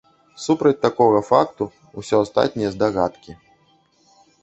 Супраць такога факту, усё астатняе здагадкі.